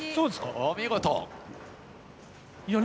お見事！